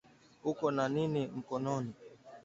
uko na nini mkononi.